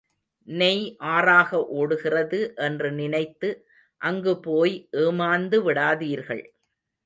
நெய் ஆறாக ஓடுகிறது என்று நினைத்து அங்கு போய் ஏமாந்து விடாதீர்கள்.